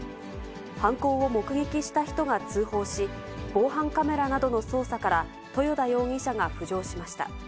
犯行を目撃した人が通報し、防犯カメラなどの捜査から、豊田容疑者が浮上しました。